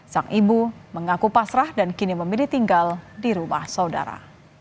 sang ibu mengaku pasrah dan kini memilih tinggal di rumah saudara